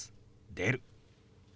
「出る」。